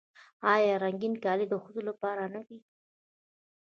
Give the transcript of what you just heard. آیا رنګین کالي د ښځو لپاره نه دي؟